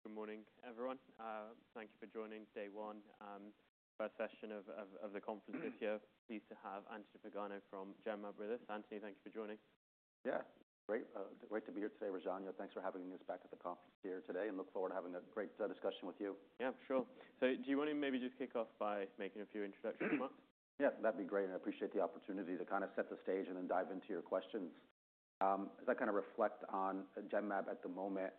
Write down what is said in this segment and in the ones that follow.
Good morning, everyone. Thank you for joining day one, first session of the conference this year. Pleased to have Anthony Pagano from Genmab with us. Anthony, thank you for joining. Yeah. Great. Great to be here today, Rajan. You know, thanks for having us back at the conference here today, and look forward to having a great discussion with you. Yeah, sure. Do you want to maybe just kick off by making a few introductions? Yeah. That'd be great. I appreciate the opportunity to kind of set the stage and then dive into your questions. As I kind of reflect on Genmab at the moment,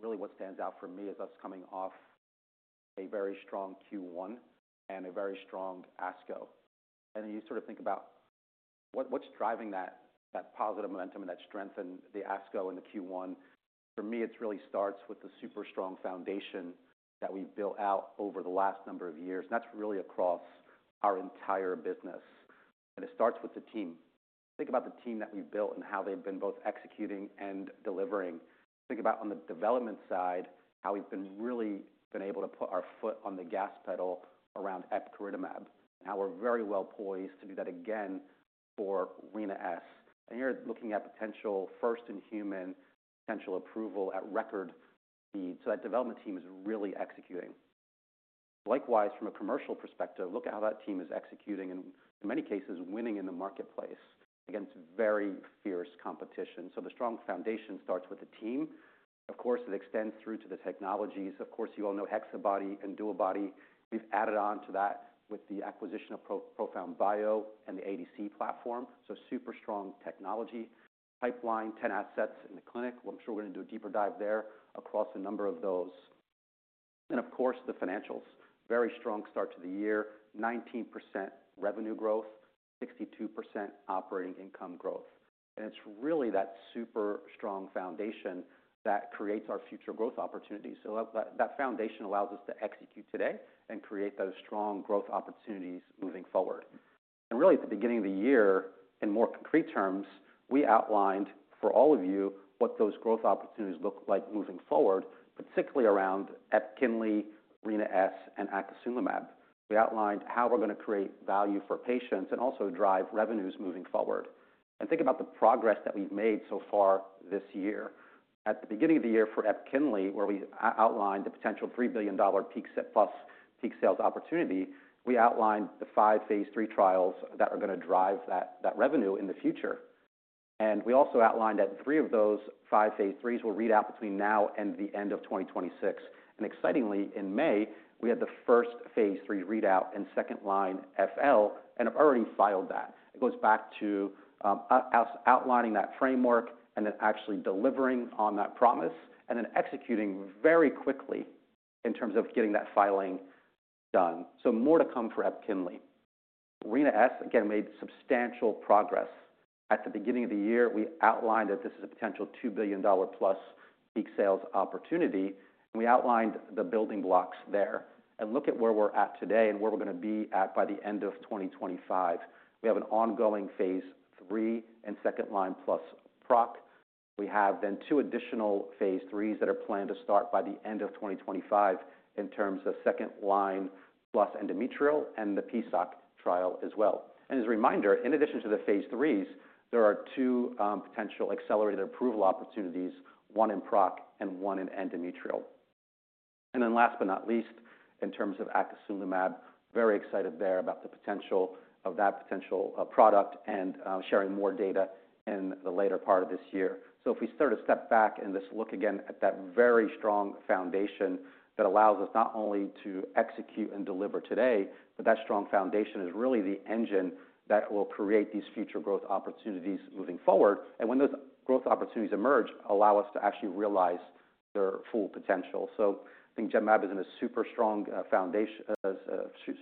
really what stands out for me is us coming off a very strong Q1 and a very strong ASCO. You sort of think about what's driving that, that positive momentum and that strength in the ASCO and the Q1. For me, it really starts with the super strong foundation that we've built out over the last number of years. That's really across our entire business. It starts with the team. Think about the team that we've built and how they've been both executing and delivering. Think about on the development side how we've really been able to put our foot on the gas pedal around Epkinly, and how we're very well poised to do that again for Rina-S. You're looking at potential first in human, potential approval at record speed. That development team is really executing. Likewise, from a commercial perspective, look at how that team is executing and, in many cases, winning in the marketplace against very fierce competition. The strong foundation starts with the team. Of course, it extends through to the technologies. Of course, you all know HexaBody and DualBody. We've added on to that with the acquisition of ProfoundBio and the ADC platform. Super strong technology. Pipeline, 10 assets in the clinic. I'm sure we're gonna do a deeper dive there across a number of those. Of course, the financials. Very strong start to the year, 19% revenue growth, 62% operating income growth. It is really that super strong foundation that creates our future growth opportunities. That foundation allows us to execute today and create those strong growth opportunities moving forward. Really, at the beginning of the year, in more concrete terms, we outlined for all of you what those growth opportunities look like moving forward, particularly around EPKINLY, Rina-S, and Acasunlimab. We outlined how we're gonna create value for patients and also drive revenues moving forward. Think about the progress that we've made so far this year. At the beginning of the year for EPKINLY, where we outlined the potential $3 billion plus peak sales opportunity, we outlined the five phase three trials that are gonna drive that revenue in the future. We also outlined that three of those five phase threes will read out between now and the end of 2026. Excitingly, in May, we had the first phase three readout in second line FL, and have already filed that. It goes back to outlining that framework and then actually delivering on that promise and then executing very quickly in terms of getting that filing done. More to come forEPKINLY. Rina-S, again, made substantial progress. At the beginning of the year, we outlined that this is a potential $2 billion-plus peak sales opportunity. We outlined the building blocks there. Look at where we're at today and where we're gonna be at by the end of 2025. We have an ongoing phase 3 in second line-plus PROC. We have then two additional phase threes that are planned to start by the end of 2025 in terms of second line plus endometrial and the PICCOLO trial as well. As a reminder, in addition to the phase threes, there are two potential accelerated approval opportunities, one in PROC and one in endometrial. Last but not least, in terms of Acasunlimab, very excited there about the potential of that potential product and sharing more data in the later part of this year. If we start to step back and just look again at that very strong foundation that allows us not only to execute and deliver today, but that strong foundation is really the engine that will create these future growth opportunities moving forward. When those growth opportunities emerge, allow us to actually realize their full potential. I think Genmab is in a super strong foundation,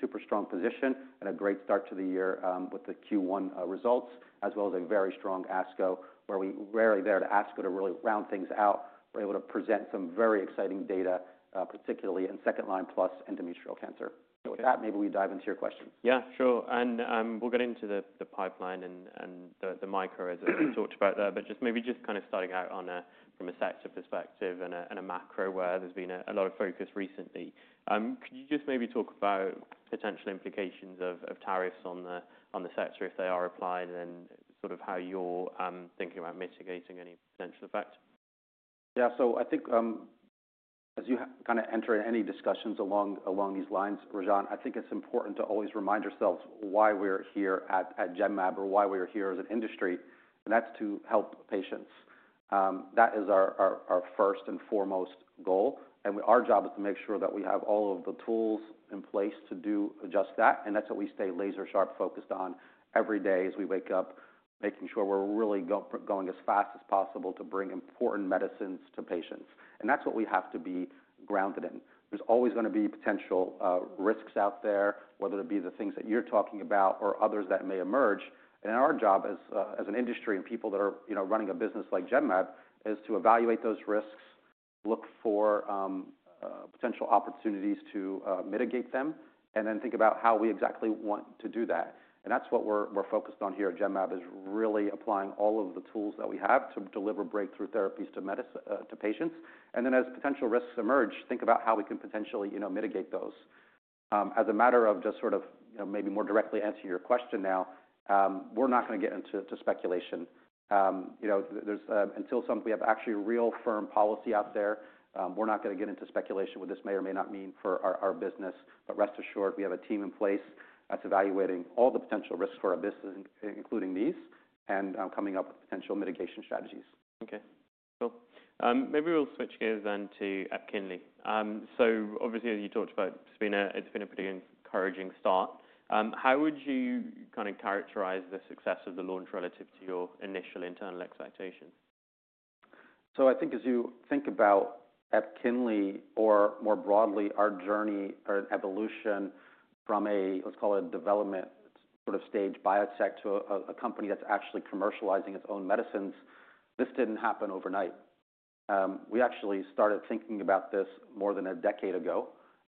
super strong position and a great start to the year, with the Q1 results, as well as a very strong ASCO, where we were there to ASCO to really round things out. We were able to present some very exciting data, particularly in second line plus endometrial cancer. With that, maybe we dive into your questions. Yeah, sure. We'll get into the pipeline and the micro as we talked about there, but just maybe just kind of starting out from a sector perspective and a macro where there's been a lot of focus recently. Could you just maybe talk about potential implications of tariffs on the sector if they are applied and sort of how you're thinking about mitigating any potential effect? Yeah. I think, as you kind of enter in any discussions along these lines, Rajan, I think it's important to always remind ourselves why we're here at Genmab or why we're here as an industry, and that's to help patients. That is our first and foremost goal. Our job is to make sure that we have all of the tools in place to do just that. That's what we stay laser-sharp focused on every day as we wake up, making sure we're really going as fast as possible to bring important medicines to patients. That's what we have to be grounded in. There's always gonna be potential risks out there, whether it be the things that you're talking about or others that may emerge. Our job as an industry and people that are, you know, running a business like Genmab is to evaluate those risks, look for potential opportunities to mitigate them, and then think about how we exactly want to do that. That is what we're focused on here at Genmab, really applying all of the tools that we have to deliver breakthrough therapies to medicine, to patients. As potential risks emerge, we think about how we can potentially, you know, mitigate those. As a matter of just sort of, you know, maybe more directly answering your question now, we're not gonna get into speculation. You know, until we have actually real firm policy out there, we're not gonna get into speculation what this may or may not mean for our business. Rest assured, we have a team in place that's evaluating all the potential risks for our business, including these, and coming up with potential mitigation strategies. Okay. Cool. Maybe we'll switch gears then to Epkinly. So obviously, as you talked about, it's been a, it's been a pretty encouraging start. How would you kind of characterize the success of the launch relative to your initial internal expectations? I think as you think about Epkinly or more broadly our journey or evolution from a, let's call it a development sort of stage biotech to a company that's actually commercializing its own medicines, this didn't happen overnight. We actually started thinking about this more than a decade ago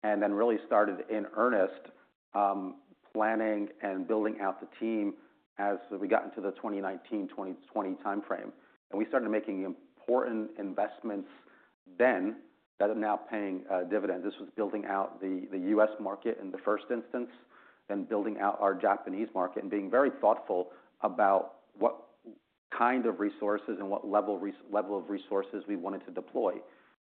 and then really started in earnest, planning and building out the team as we got into the 2019, 2020 timeframe. We started making important investments then that are now paying dividends. This was building out the US market in the first instance, then building out our Japanese market and being very thoughtful about what kind of resources and what level of resources we wanted to deploy.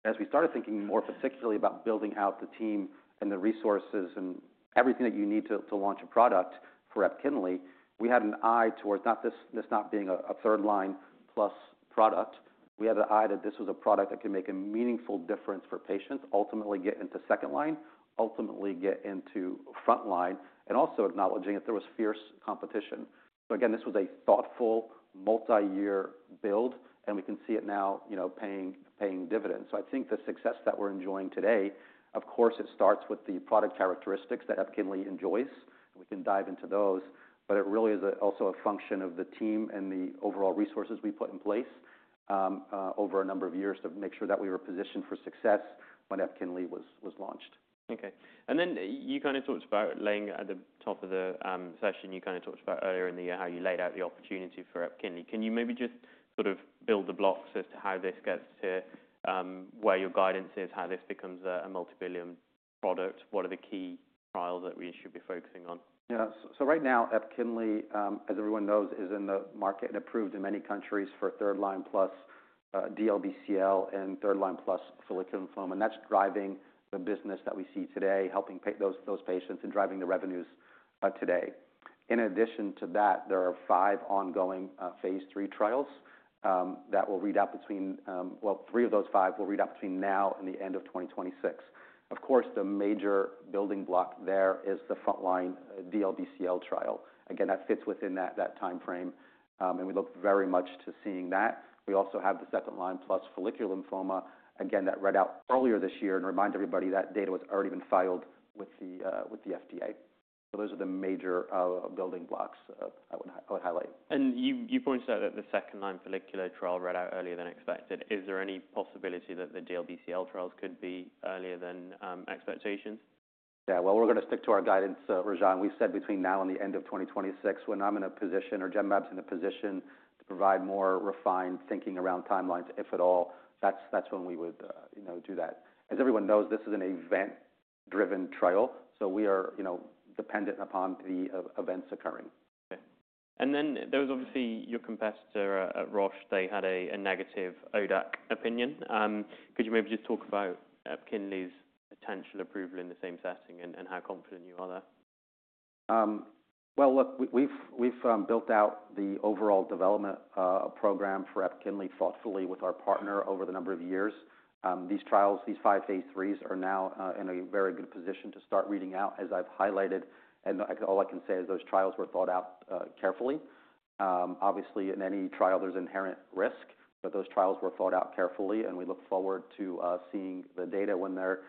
As we started thinking more particularly about building out the team and the resources and everything that you need to, to launch a product for Epkinly, we had an eye towards not this, this not being a third line plus product. We had an eye that this was a product that could make a meaningful difference for patients, ultimately get into second line, ultimately get into front line, and also acknowledging that there was fierce competition. This was a thoughtful multi-year build, and we can see it now, you know, paying, paying dividends. I think the success that we're enjoying today, of course, it starts with the product characteristics that Epkinly enjoys. We can dive into those, but it really is a, also a function of the team and the overall resources we put in place, over a number of years to make sure that we were positioned for success when Epkinly was, was launched. Okay. You kind of talked about laying at the top of the session, you kind of talked about earlier in the year how you laid out the opportunity for Epkinly. Can you maybe just sort of build the blocks as to how this gets to where your guidance is, how this becomes a multi-billion product? What are the key trials that we should be focusing on? Yeah. So right now, Epkinly, as everyone knows, is in the market and approved in many countries for third line plus DLBCL and third line plus follicular lymphoma. That is driving the business that we see today, helping pay those patients and driving the revenues today. In addition to that, there are five ongoing phase three trials that will read out between, well, three of those five will read out between now and the end of 2026. Of course, the major building block there is the front line DLBCL trial. Again, that fits within that timeframe. We look very much to seeing that. We also have the second line plus follicular lymphoma, again, that read out earlier this year and remind everybody that data has already been filed with the FDA. Those are the major building blocks I would highlight. You pointed out that the second line follicular trial read out earlier than expected. Is there any possibility that the DLBCL trials could be earlier than expectations? Yeah. We're gonna stick to our guidance, Rajan. We said between now and the end of 2026, when I'm in a position or Genmab's in a position to provide more refined thinking around timelines, if at all, that's when we would, you know, do that. As everyone knows, this is an event-driven trial. We are, you know, dependent upon the events occurring. Okay. There was obviously your competitor, Roche. They had a negative ODAC opinion. Could you maybe just talk about Epkinly's potential approval in the same setting and how confident you are there? Look, we've built out the overall development program for Epkinly thoughtfully with our partner over a number of years. These trials, these five phase threes, are now in a very good position to start reading out, as I've highlighted. All I can say is those trials were thought out carefully. Obviously, in any trial, there's inherent risk, but those trials were thought out carefully, and we look forward to seeing the data when they're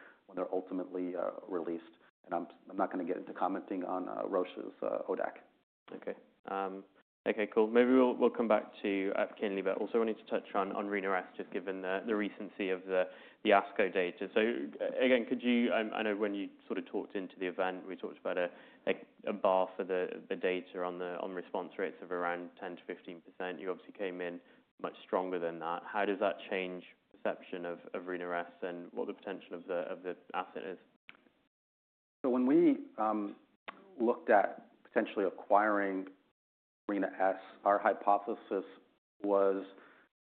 ultimately released. I'm not gonna get into commenting on Roche's ODAC. Okay. Cool. Maybe we'll come back to Epkinly, but also wanted to touch on Rina-S just given the recency of the ASCO data. Again, could you, I know when you sort of talked into the event, we talked about a bar for the data on the response rates of around 10% to 15%. You obviously came in much stronger than that. How does that change perception of Rina-S and what the potential of the asset is? When we looked at potentially acquiring Rina-S, our hypothesis was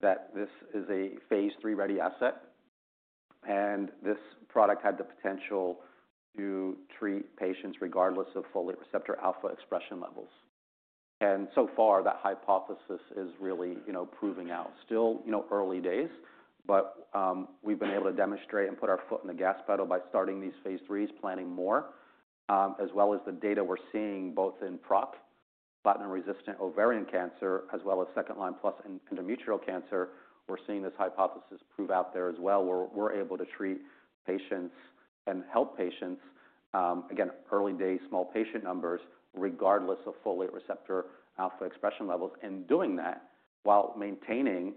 that this is a phase three ready asset, and this product had the potential to treat patients regardless of folate receptor alpha expression levels. You know, so far, that hypothesis is really, you know, proving out. Still, you know, early days, but we've been able to demonstrate and put our foot on the gas pedal by starting these phase threes, planning more, as well as the data we're seeing both in PROC, platinum-resistant ovarian cancer, as well as second line plus endometrial cancer. We're seeing this hypothesis prove out there as well where we're able to treat patients and help patients, again, early days, small patient numbers regardless of folate receptor alpha expression levels in doing that while maintaining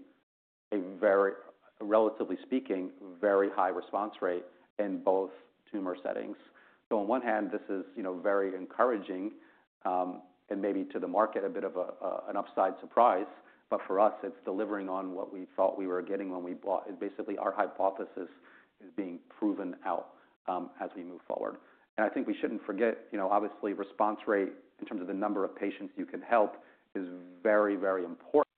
a very, relatively speaking, very high response rate in both tumor settings. On one hand, this is, you know, very encouraging, and maybe to the market a bit of a, an upside surprise. For us, it's delivering on what we thought we were getting when we bought. It's basically our hypothesis is being proven out, as we move forward. I think we shouldn't forget, you know, obviously, response rate in terms of the number of patients you can help is very, very important.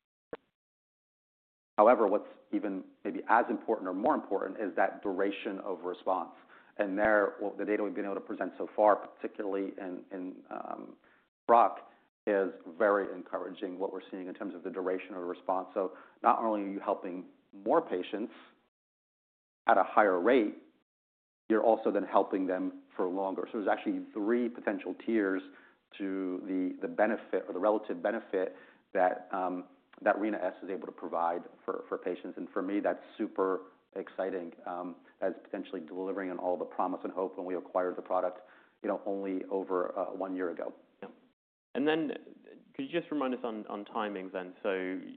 However, what's even maybe as important or more important is that duration of response. There, the data we've been able to present so far, particularly in PROC, is very encouraging, what we're seeing in terms of the duration of the response. Not only are you helping more patients at a higher rate, you're also then helping them for longer. There's actually three potential tiers to the, the benefit or the relative benefit that, that Rina-S is able to provide for, for patients. And for me, that's super exciting, as potentially delivering on all the promise and hope when we acquired the product, you know, only over one year ago. Yeah. Could you just remind us on timings then?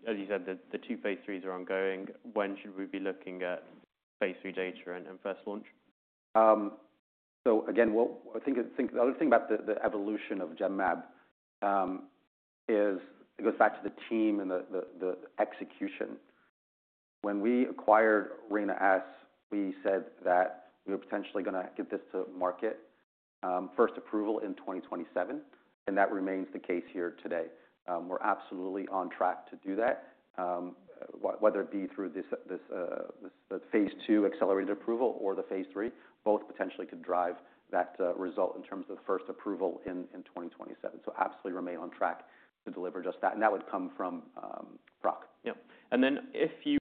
As you said, the two phase threes are ongoing. When should we be looking at phase three data and first launch? Again, I think the other thing about the evolution of Genmab is it goes back to the team and the execution. When we acquired Rina-S, we said that we were potentially gonna get this to market, first approval in 2027, and that remains the case here today. We're absolutely on track to do that, whether it be through the phase two accelerated approval or the phase three, both potentially could drive that result in terms of first approval in 2027. Absolutely remain on track to deliver just that. That would come from PROC. Yeah. If you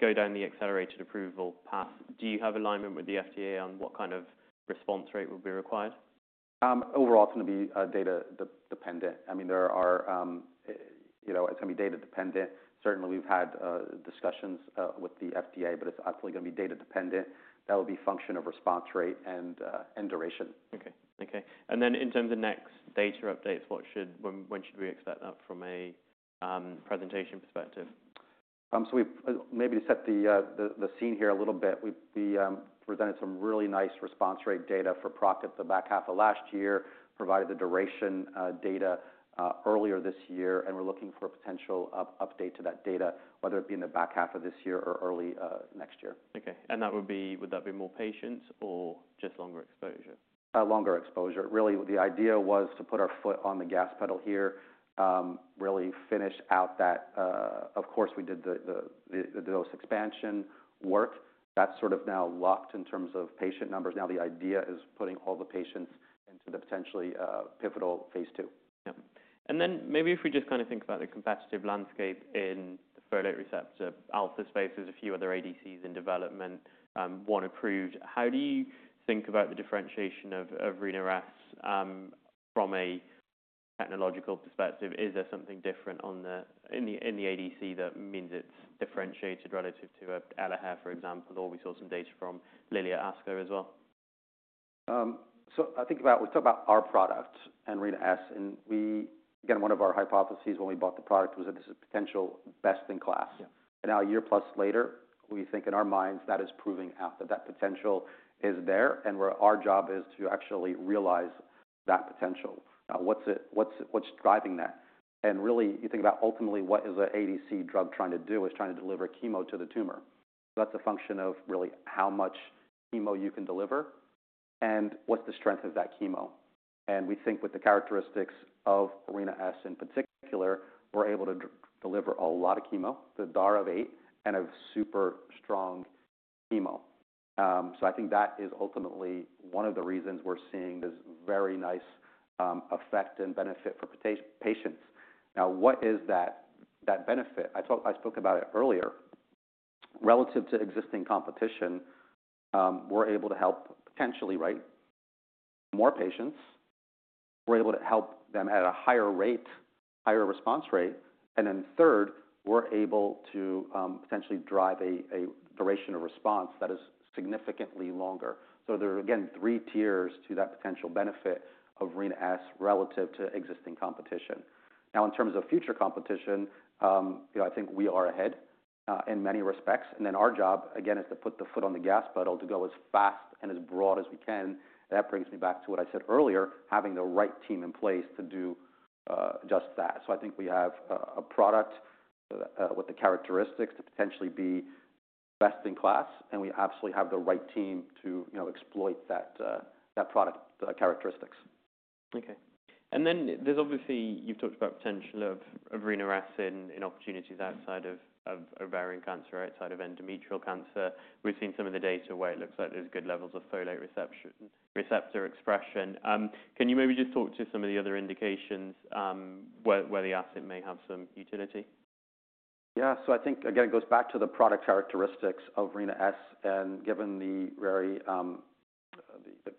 go down the accelerated approval path, do you have alignment with the FDA on what kind of response rate will be required? Overall, it's gonna be data dependent. I mean, there are, you know, it's gonna be data dependent. Certainly, we've had discussions with the FDA, but it's absolutely gonna be data dependent. That will be a function of response rate and duration. Okay. Okay. In terms of next data updates, when should we expect that from a presentation perspective? We've, maybe to set the scene here a little bit, we presented some really nice response rate data for PROC at the back half of last year, provided the duration data earlier this year. We're looking for a potential update to that data, whether it be in the back half of this year or early next year. Okay. Would that be more patients or just longer exposure? Longer exposure. Really, the idea was to put our foot on the gas pedal here, really finish out that. Of course, we did the dose expansion work. That's sort of now locked in terms of patient numbers. Now the idea is putting all the patients into the potentially pivotal phase two. Yeah. And then maybe if we just kind of think about the competitive landscape in the folate receptor alpha space, there's a few other ADCs in development, one approved. How do you think about the differentiation of, of Rina-S, from a technological perspective? Is there something different on the, in the, in the ADC that means it's differentiated relative to, EGFR, for example, or we saw some data from Lilia Asko as well? I think about, we talk about our product and Rina-S, and we, again, one of our hypotheses when we bought the product was that this is potential best in class. Yeah. Now a year plus later, we think in our minds that is proving out that that potential is there, and our job is to actually realize that potential. Now, what's driving that? Really, you think about ultimately what is an ADC drug trying to do, it is trying to deliver chemo to the tumor. That is a function of really how much chemo you can deliver and what is the strength of that chemo. We think with the characteristics of Rina-S in particular, we're able to deliver a lot of chemo, the DAR of eight and a super strong chemo. I think that is ultimately one of the reasons we're seeing this very nice effect and benefit for patients. Now, what is that benefit? I spoke about it earlier. Relative to existing competition, we're able to help potentially, right, more patients. We're able to help them at a higher rate, higher response rate. Third, we're able to essentially drive a duration of response that is significantly longer. There are again three tiers to that potential benefit of Rina-S relative to existing competition. In terms of future competition, you know, I think we are ahead in many respects. Our job, again, is to put the foot on the gas pedal to go as fast and as broad as we can. That brings me back to what I said earlier, having the right team in place to do just that. I think we have a product with the characteristics to potentially be best in class, and we absolutely have the right team to, you know, exploit that product, the characteristics. Okay. And then obviously, you've talked about potential of Rina-S in opportunities outside of ovarian cancer, outside of endometrial cancer. We've seen some of the data where it looks like there's good levels of folate receptor expression. Can you maybe just talk to some of the other indications where the asset may have some utility? Yeah. I think, again, it goes back to the product characteristics of Rina-S. Given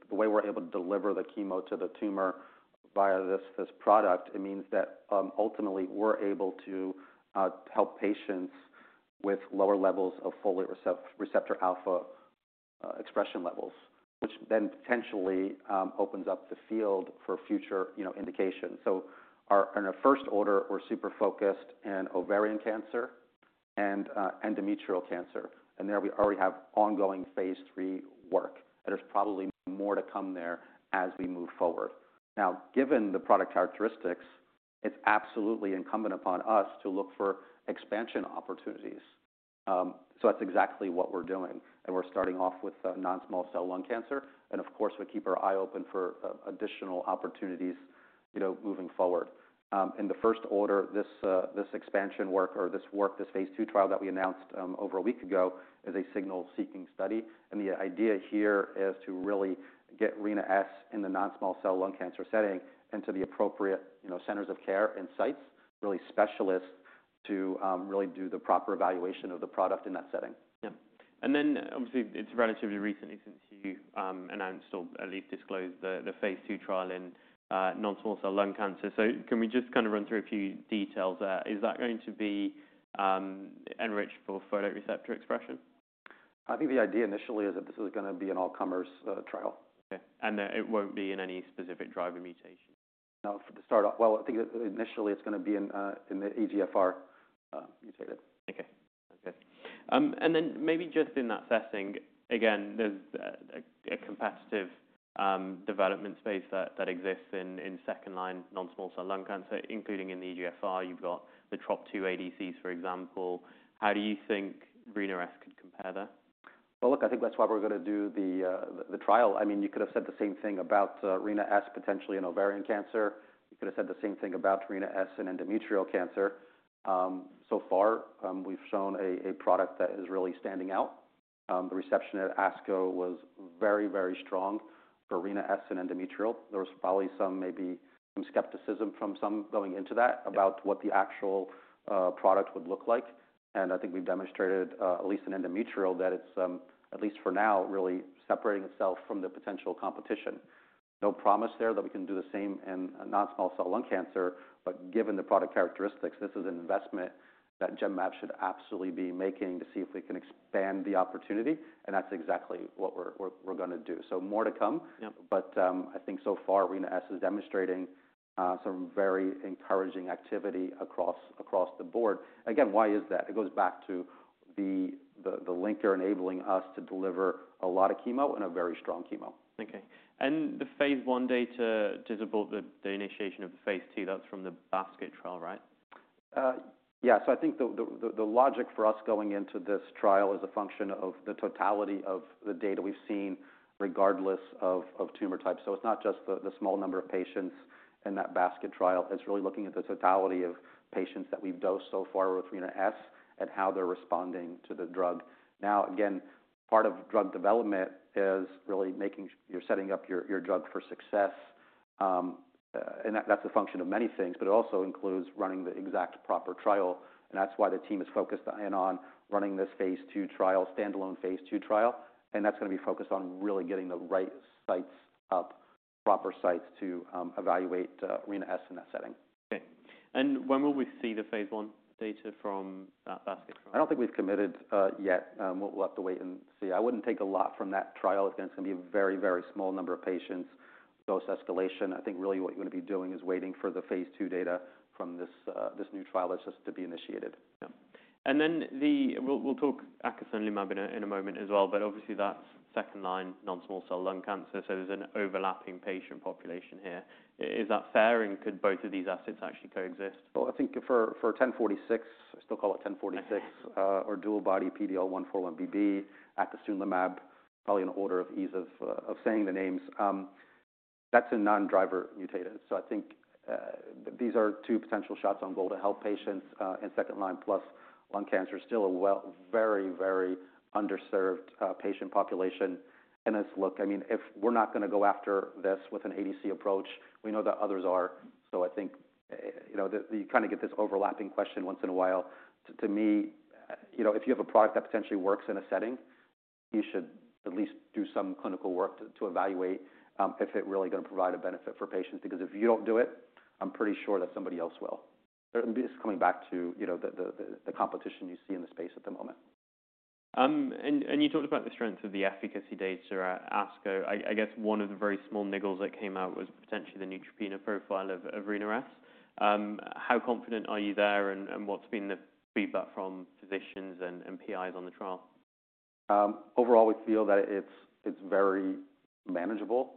the way we're able to deliver the chemo to the tumor via this product, it means that ultimately we're able to help patients with lower levels of folate receptor alpha expression levels, which then potentially opens up the field for future, you know, indications. In a first order, we're super focused in ovarian cancer and endometrial cancer. There we already have ongoing phase three work, and there's probably more to come there as we move forward. Now, given the product characteristics, it's absolutely incumbent upon us to look for expansion opportunities. That's exactly what we're doing. We're starting off with non-small cell lung cancer. Of course, we keep our eye open for additional opportunities, you know, moving forward. In the first order, this expansion work or this work, this phase two trial that we announced over a week ago is a signal-seeking study. The idea here is to really get Rina-S in the non-small cell lung cancer setting into the appropriate, you know, centers of care and sites, really specialists to really do the proper evaluation of the product in that setting. Yeah. Obviously it's relatively recently since you announced or at least disclosed the phase two trial in non-small cell lung cancer. Can we just kind of run through a few details there? Is that going to be enriched for folate receptor expression? I think the idea initially is that this is gonna be an all-comers trial. Okay. That it won't be in any specific driver mutation? No, for the startup. I think initially it's gonna be in the EGFR mutated. Okay. Okay. And then maybe just in that setting, again, there's a competitive development space that exists in second line non-small cell lung cancer, including in the EGFR. You've got the TROP2 ADCs, for example. How do you think Rina-S could compare there? I think that's why we're gonna do the trial. I mean, you could have said the same thing about Rina-S potentially in ovarian cancer. You could have said the same thing about Rina-S in endometrial cancer. So far, we've shown a product that is really standing out. The reception at ASCO was very, very strong for Rina-S in endometrial. There was probably maybe some skepticism from some going into that about what the actual product would look like. I think we've demonstrated, at least in endometrial, that it's, at least for now, really separating itself from the potential competition. No promise there that we can do the same in non-small cell lung cancer. Given the product characteristics, this is an investment that Genmab should absolutely be making to see if we can expand the opportunity. That's exactly what we're gonna do. More to come. Yeah. I think so far Rina-S is demonstrating some very encouraging activity across the board. Again, why is that? It goes back to the linker enabling us to deliver a lot of chemo and a very strong chemo. Okay. The phase one data to support the, the initiation of the phase two, that's from the basket trial, right? Yeah. I think the logic for us going into this trial is a function of the totality of the data we've seen regardless of tumor type. It's not just the small number of patients in that basket trial. It's really looking at the totality of patients that we've dosed so far with Rina-S and how they're responding to the drug. Now, again, part of drug development is really making sure you're setting up your drug for success, and that's a function of many things, but it also includes running the exact proper trial. That's why the team is focused in on running this phase two trial, standalone phase two trial. That's going to be focused on really getting the right sites up, the proper sites to evaluate Rina-S in that setting. Okay. When will we see the phase one data from that basket trial? I don't think we've committed yet. We'll have to wait and see. I wouldn't take a lot from that trial. Again, it's gonna be a very, very small number of patients, dose escalation. I think really what you're gonna be doing is waiting for the phase two data from this new trial that's just to be initiated. Yeah. And then we'll talk Acasunlimab in a moment as well, but obviously that's second line non-small cell lung cancer. So there's an overlapping patient population here. Is that fair? And could both of these assets actually coexist? I think for, for 1046, I still call it 1046. Yeah. Or DualBody PD-L1 4-1BB, Acasunlimab, probably in order of ease of saying the names. That's a non-driver mutated. I think these are two potential shots on goal to help patients in second line plus lung cancer. Still a well, very, very underserved patient population. It's, look, I mean, if we're not gonna go after this with an ADC approach, we know that others are. I think, you know, you kind of get this overlapping question once in a while. To me, you know, if you have a product that potentially works in a setting, you should at least do some clinical work to evaluate if it is really gonna provide a benefit for patients. Because if you don't do it, I'm pretty sure that somebody else will. It's coming back to, you know, the competition you see in the space at the moment. And you talked about the strength of the efficacy data at ASCO. I guess one of the very small niggles that came out was potentially the neutropenia profile of Rina-S. How confident are you there, and what's been the feedback from physicians and PIs on the trial? Overall, we feel that it's very manageable.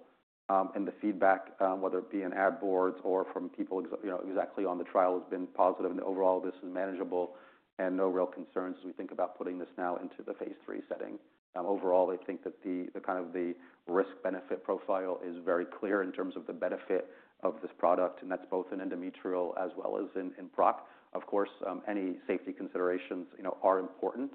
The feedback, whether it be in ad boards or from people exactly on the trial, has been positive. Overall, this is manageable and no real concerns as we think about putting this now into the phase three setting. They think that the kind of the risk-benefit profile is very clear in terms of the benefit of this product. That's both in endometrial as well as in PROC. Of course, any safety considerations are important.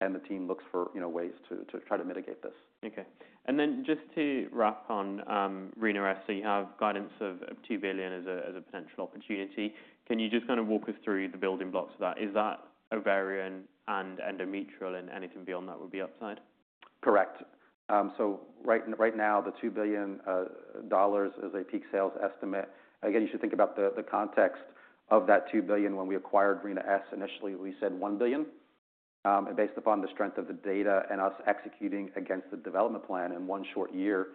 The team looks for ways to try to mitigate this. Okay. And then just to wrap on, Rina-S, so you have guidance of $2 billion as a, as a potential opportunity. Can you just kind of walk us through the building blocks of that? Is that ovarian and endometrial and anything beyond that would be upside? Correct. Right now the $2 billion is a peak sales estimate. Again, you should think about the context of that $2 billion. When we acquired Rina-S initially, we said $1 billion, and based upon the strength of the data and us executing against the development plan in one short year,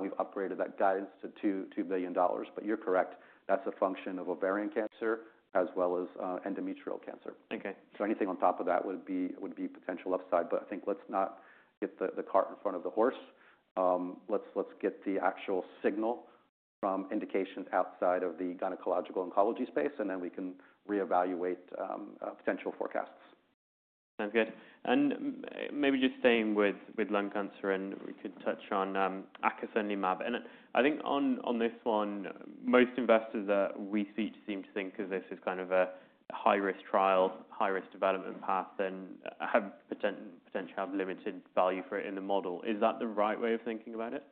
we've upgraded that guidance to $2 billion. But you're correct. That's a function of ovarian cancer as well as endometrial cancer. Okay. Anything on top of that would be potential upside. I think let's not get the cart in front of the horse. Let's get the actual signal from indications outside of the gynecological oncology space, and then we can reevaluate potential forecasts. Sounds good. Maybe just staying with lung cancer, and we could touch on Acasunlimab. I think on this one, most investors that we speak to seem to think 'cause this is kind of a high-risk trial, high-risk development path, and potentially have limited value for it in the model. Is that the right way of thinking about it?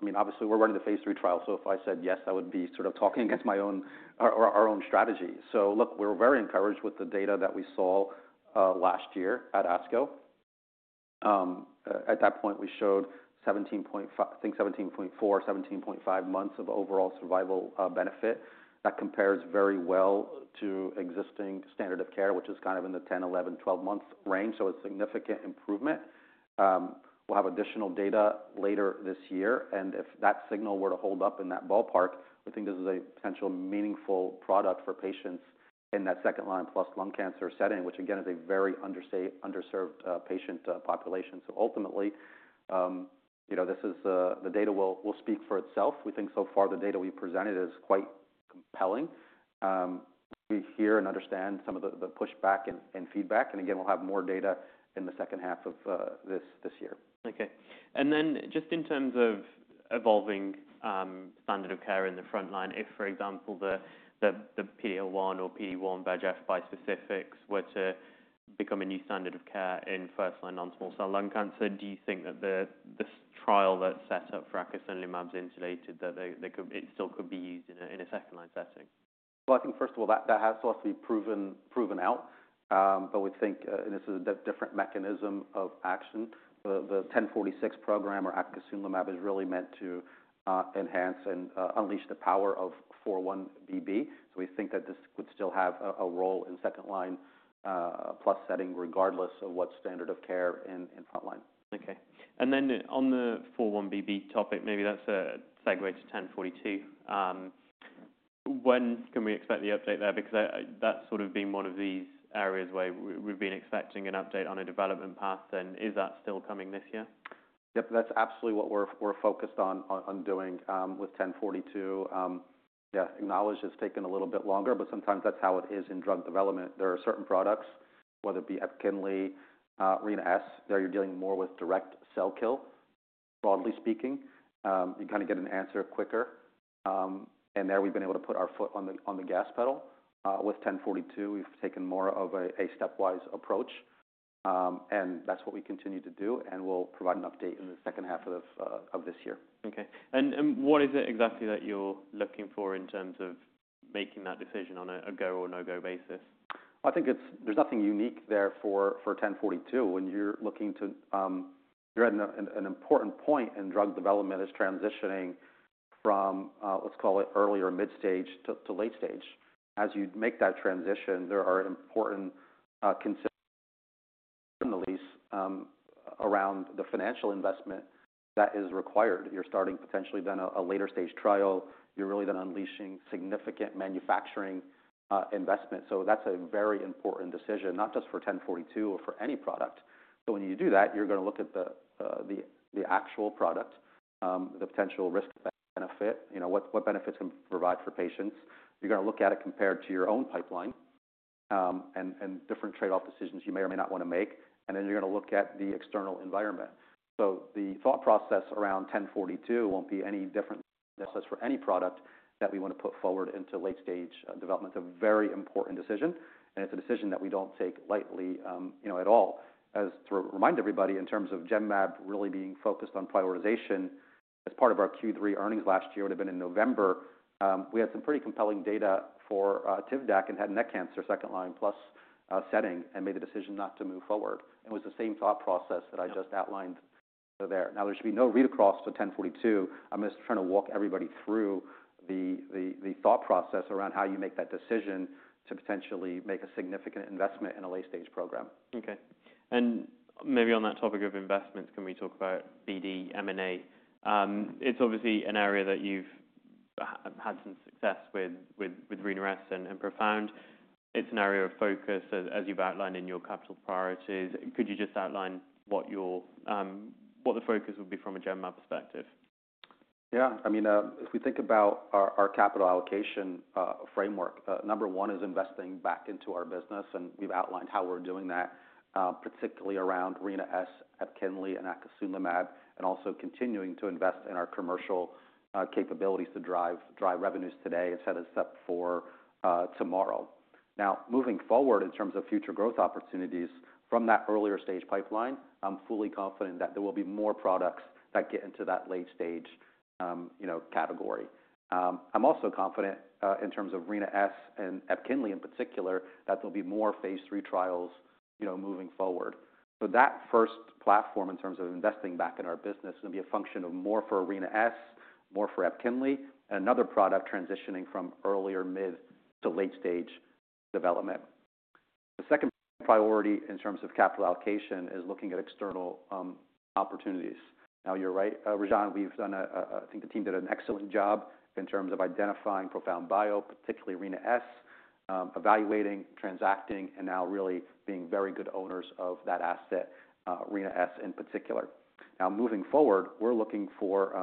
I mean, obviously we're running the phase three trial. If I said yes, I would be sort of talking against my own or, or our own strategy. Look, we were very encouraged with the data that we saw last year at ASCO. At that point, we showed 17.5, I think 17.4, 17.5 months of overall survival benefit. That compares very well to existing standard of care, which is kind of in the 10-12 month range. It is a significant improvement. We'll have additional data later this year. If that signal were to hold up in that ballpark, we think this is a potential meaningful product for patients in that second line plus lung cancer setting, which again is a very underserved patient population. Ultimately, you know, the data will speak for itself. We think so far the data we've presented is quite compelling. We hear and understand some of the pushback and feedback. Again, we'll have more data in the second half of this year. Okay. And then just in terms of evolving standard of care in the front line, if for example, the PD-L1 or PD-1 bispecifics were to become a new standard of care in first line non-small cell lung cancer, do you think that the trial that's set up for Acasunlimab's insulated, that they could, it still could be used in a second line setting? I think first of all that has to be proven out. We think, and this is a different mechanism of action. The 1046 program or Acasunlimab is really meant to enhance and unleash the power of 4-1BB. We think that this would still have a role in second line plus setting regardless of what standard of care in front line. Okay. On the 4-1BB topic, maybe that's a segue to 1042. When can we expect the update there? Because that's sort of been one of these areas where we've been expecting an update on a development path. Is that still coming this year? Yep. That's absolutely what we're focused on doing with 1042. Yeah, acknowledge it's taken a little bit longer, but sometimes that's how it is in drug development. There are certain products, whether it be Epkinly, Rina-S, there you're dealing more with direct cell kill, broadly speaking. You kind of get an answer quicker. There we've been able to put our foot on the gas pedal. With 1042, we've taken more of a stepwise approach. That's what we continue to do. We'll provide an update in the second half of this year. Okay. And what is it exactly that you're looking for in terms of making that decision on a, a go or no-go basis? I think there's nothing unique there for 1042. When you're looking to, you're at an important point in drug development is transitioning from, let's call it earlier mid-stage to late stage. As you make that transition, there are important considerations, at least, around the financial investment that is required. You're starting potentially then a later stage trial. You're really then unleashing significant manufacturing investment. That's a very important decision, not just for 1042 or for any product. When you do that, you're gonna look at the actual product, the potential risk-benefit, you know, what benefits can provide for patients. You're gonna look at it compared to your own pipeline, and different trade-off decisions you may or may not wanna make. You're gonna look at the external environment. The thought process around 1042 will not be any different than it is for any product that we want to put forward into late stage development. It is a very important decision, and it is a decision that we do not take lightly, you know, at all. Just to remind everybody, in terms of Genmab really being focused on prioritization, as part of our Q3 earnings last year, it would have been in November, we had some pretty compelling data for Tisotumab vedotin in head and neck cancer, second line plus setting, and made the decision not to move forward. It was the same thought process that I just outlined there. There should be no read across for 1042. I am just trying to walk everybody through the thought process around how you make that decision to potentially make a significant investment in a late stage program. Okay. Maybe on that topic of investments, can we talk about BD M&A? It's obviously an area that you've had some success with, with Rina-S and ProfoundBio. It's an area of focus as you've outlined in your capital priorities. Could you just outline what the focus would be from a Genmab perspective? Yeah. I mean, if we think about our capital allocation framework, number one is investing back into our business. And we've outlined how we're doing that, particularly around Rina-S, Epkinly, and Acasunlimab, and also continuing to invest in our commercial capabilities to drive revenues today and set us up for tomorrow. Now, moving forward in terms of future growth opportunities from that earlier stage pipeline, I'm fully confident that there will be more products that get into that late stage, you know, category. I'm also confident, in terms of Rina-S and Epkinly in particular, that there'll be more phase three trials, you know, moving forward. So that first platform in terms of investing back in our business is gonna be a function of more for Rina-S, more for Epkinly, and another product transitioning from earlier mid to late stage development. The second priority in terms of capital allocation is looking at external opportunities. Now, you're right, Rajan, we've done a, I think the team did an excellent job in terms of identifying ProfoundBio, particularly Rina-S, evaluating, transacting, and now really being very good owners of that asset, Rina-S in particular. Now, moving forward, we're looking for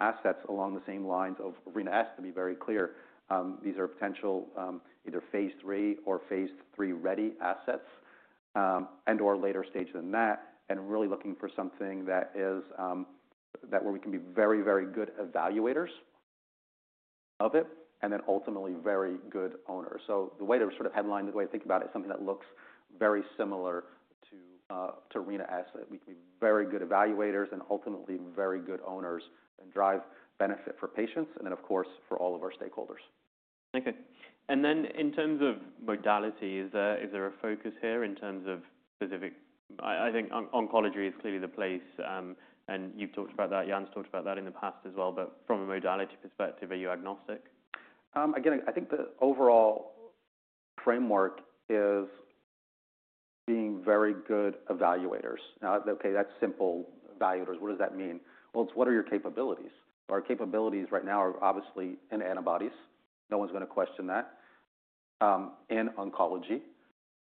assets along the same lines of Rina-S to be very clear. These are potential, either phase three or phase three ready assets, and/or later stage than that, and really looking for something that is, that where we can be very, very good evaluators of it, and then ultimately very good owners. The way to sort of headline the way I think about it is something that looks very similar to Rina-S, that we can be very good evaluators and ultimately very good owners and drive benefit for patients and then, of course, for all of our stakeholders. Okay. In terms of modality, is there a focus here in terms of specific, I think oncology is clearly the place, and you've talked about that. Jan's talked about that in the past as well. From a modality perspective, are you agnostic? Again, I think the overall framework is being very good evaluators. Now, okay, that's simple evaluators. What does that mean? It is what are your capabilities? Our capabilities right now are obviously in antibodies. No one's gonna question that, in oncology.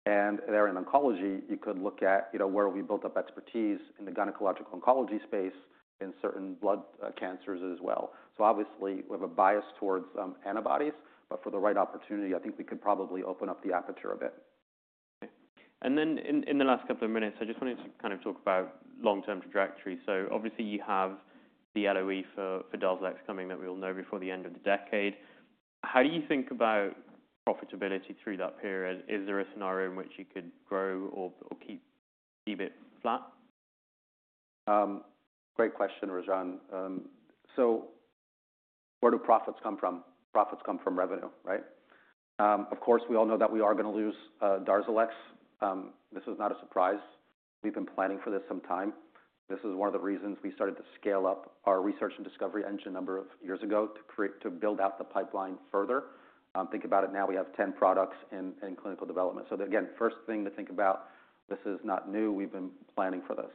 There in oncology, you could look at, you know, where we built up expertise in the gynecological oncology space, in certain blood cancers as well. Obviously we have a bias towards antibodies. For the right opportunity, I think we could probably open up the aperture a bit. Okay. In the last couple of minutes, I just wanted to kind of talk about long-term trajectory. Obviously you have the LOE for Darzalex coming that we all know before the end of the decade. How do you think about profitability through that period? Is there a scenario in which you could grow or keep it flat? Great question, Rajan. Where do profits come from? Profits come from revenue, right? Of course, we all know that we are gonna lose Darzalex. This is not a surprise. We've been planning for this some time. This is one of the reasons we started to scale up our research and discovery engine a number of years ago to create, to build out the pipeline further. Think about it now. We have 10 products in clinical development. Again, first thing to think about, this is not new. We've been planning for this.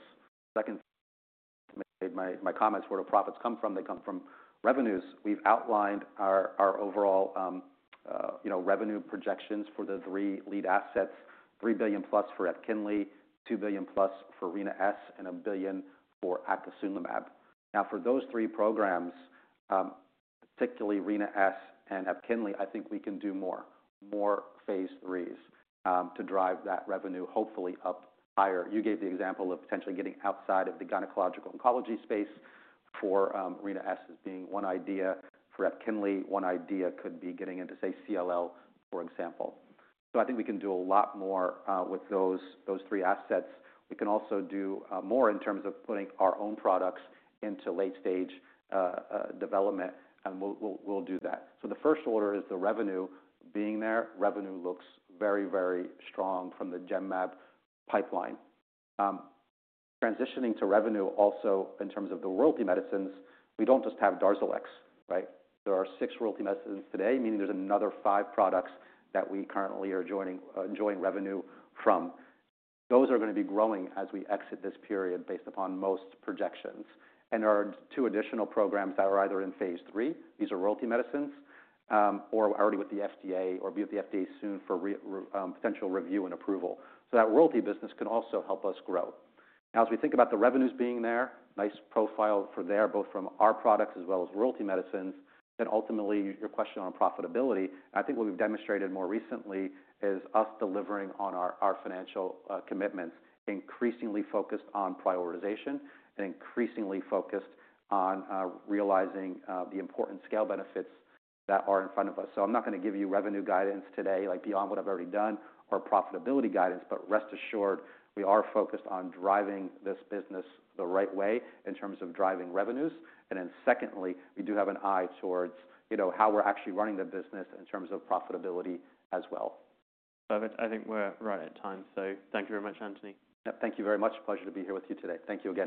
Second, my comments, where do profits come from? They come from revenues. We've outlined our overall revenue projections for the three lead assets: $3 billion plus for Epkinly, $2 billion plus for Rina-S, and $1 billion for Acasunlimab. Now, for those three programs, particularly Rina-S and Epkinly, I think we can do more, more phase threes, to drive that revenue hopefully up higher. You gave the example of potentially getting outside of the gynecological oncology space for Rina-S as being one idea. For Epkinly, one idea could be getting into, say, CLL, for example. I think we can do a lot more with those three assets. We can also do more in terms of putting our own products into late stage development. We'll do that. The first order is the revenue being there. Revenue looks very, very strong from the Genmab pipeline. Transitioning to revenue also in terms of the royalty medicines, we do not just have Darzalex, right? There are six royalty medicines today, meaning there are another five products that we currently are enjoying revenue from. Those are gonna be growing as we exit this period based upon most projections. There are two additional programs that are either in phase three, these are royalty medicines, or already with the FDA or be with the FDA soon for potential review and approval. That royalty business can also help us grow. Now, as we think about the revenues being there, nice profile for there, both from our products as well as royalty medicines. Ultimately, your question on profitability, I think what we've demonstrated more recently is us delivering on our financial commitments, increasingly focused on prioritization and increasingly focused on realizing the important scale benefits that are in front of us. I'm not gonna give you revenue guidance today, like beyond what I've already done or profitability guidance. Rest assured, we are focused on driving this business the right way in terms of driving revenues. And then secondly, we do have an eye towards, you know, how we're actually running the business in terms of profitability as well. Perfect. I think we're right at time. So thank you very much, Anthony. Yep. Thank you very much. Pleasure to be here with you today. Thank you again.